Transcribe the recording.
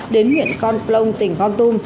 đến huyện con plông tỉnh con tung